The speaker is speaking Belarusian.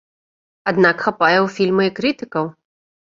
Аднак хапае ў фільма і крытыкаў.